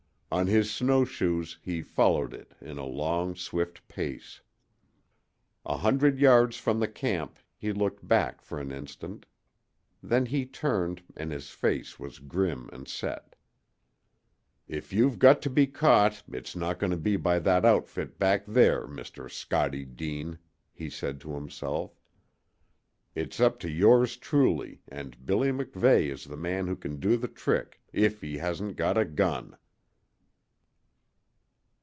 On his snow shoes he followed it in a long, swift pace. A hundred yards from the camp he looked back for an instant. Then he turned, and his face was grim and set. "If you've got to be caught, it's not going to be by that outfit back there, Mr. Scottie Deane," he said to himself. "It's up to yours truly, and Billy MacVeigh is the man who can do the trick, if he hasn't got a gun!"